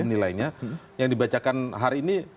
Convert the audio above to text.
nilainya yang dibacakan hari ini